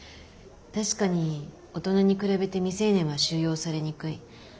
確かに大人に比べて未成年は収容されにくい。